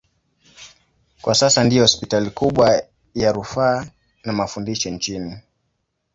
Kwa sasa ndiyo hospitali kubwa ya rufaa na mafundisho nchini.